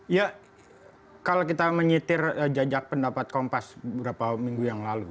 ya kalau kita menyitir jajak pendapat kompas beberapa minggu yang lalu